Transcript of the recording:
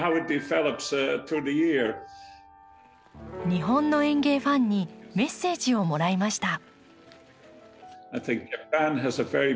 Ｔｈａｎｋｙｏｕ．日本の園芸ファンにメッセージをもらいました。